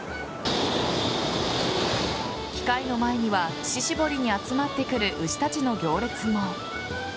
機械の前には乳搾りに集まってくる牛たちの行列も。